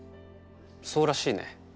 そうらしいね。